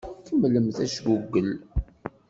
Kemmlemt ajgugel.